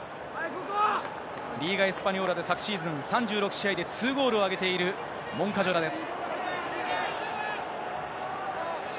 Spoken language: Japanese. リーガ・エスパニョーラで、昨シーズンゴールを挙げているモンカジョラです。